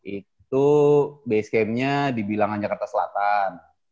itu basecamp nya dibilangannya kata selatan